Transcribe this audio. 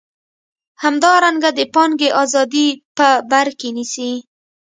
همدارنګه د پانګې ازادي په بر کې نیسي.